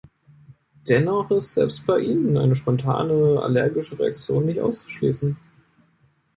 Dennoch ist selbst bei ihnen eine spontane, allergische Reaktion nicht auszuschließen.